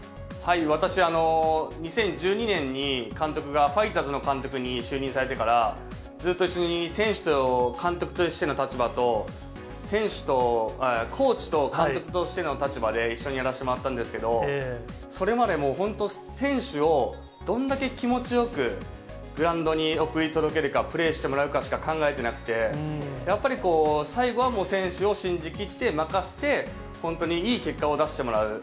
私、２０１２年に監督がファイターズの監督に就任されてから、ずっと一緒に選手と監督としての立場と、選手とコーチと監督としての立場で一緒にやらせてもらったんですけれども、それまでもう本当、選手をどんだけ気持ちよくグラウンドに送り届けるか、プレーしてもらうかしか考えてなくて、やっぱり最後はもう、選手を信じ切って、任せて、本当にいい結果を出してもらう。